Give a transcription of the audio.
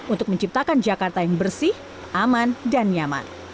untuk menciptakan jakarta yang bersih aman dan nyaman